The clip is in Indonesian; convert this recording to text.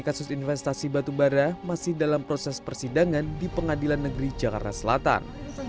kasus investasi batu bara masih dalam proses persidangan di pengadilan negeri jakarta selatan